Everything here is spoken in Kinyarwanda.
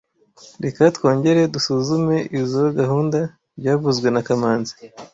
Reka twongere dusuzume izoi gahunda byavuzwe na kamanzi